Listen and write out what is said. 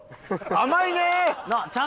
甘いね。